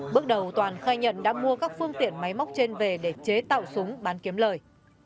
bước đầu toàn khai nhận đã mua các phương tiện máy móc trên về để chế tạo súng bán kiếm lời